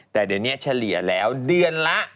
แต่เดี๋ยวนี้เฉลี่ยแล้วเดือนละ